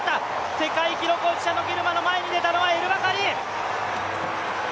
世界記録保持者の前に立ったのはエルバカリ。